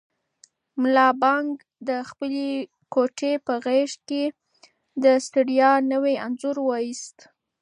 ملا بانګ د خپلې کوټې په غېږ کې د ستړیا نوی انځور وایست.